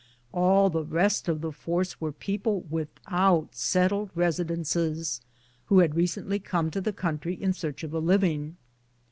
All the rest of the force were people without settled residences, who had recently come to the country in search ■of a living.